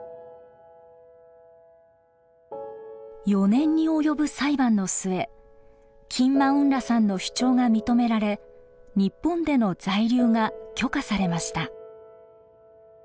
４年に及ぶ裁判の末キン・マウン・ラさんの主張が認められ日本での在留が許可されました。